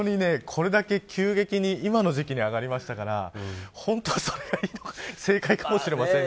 これだけ急激に今の時期に上がりましたから本当はそれが正解かもしれません。